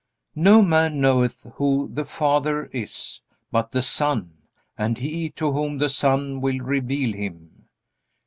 "No man knoweth who the Father is, but the Son, and he to whom the Son will reveal him."